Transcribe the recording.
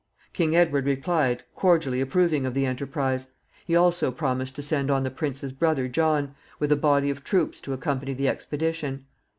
King Edward replied, cordially approving of the enterprise. He also promised to send on the prince's brother John, with a body of troops to accompany the expedition.